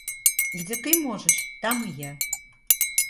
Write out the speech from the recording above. Где ты можешь, там и я...